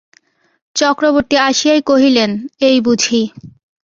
চক্রবর্তী আসিয়াই কহিলেন, এই বুঝি!